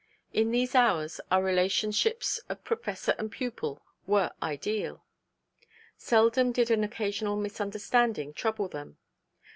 _ In these hours, our relationships of Professor and pupil were ideal. Seldom did an occasional misunderstanding trouble them.